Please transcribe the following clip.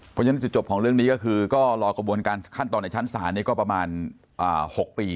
เพราะฉะนั้นจุดจบของเรื่องนี้ก็คือก็รอกระบวนการขั้นตอนในชั้นศาลก็ประมาณ๖ปี